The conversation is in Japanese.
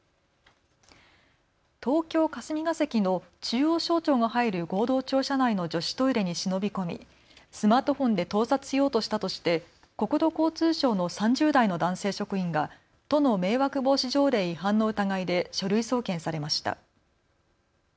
東京霞が関の中央省庁が入る合同庁舎内の女子トイレに忍び込みスマートフォンで盗撮しようとしたとして国土交通省の３０代の男性職員が都の迷惑防止条例違反の疑いで書類送検されました。